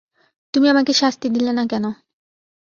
তুমি আমাকে শাস্তি দিলে না কেন।